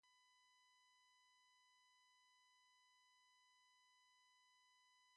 The Pyramid Texts were intended to insure the blissful immortality of the Egyptian kings.